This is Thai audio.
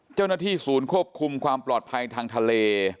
เจ้าหน้าที่ศูนย์ควบคุมความปลอดภัยทางทะเล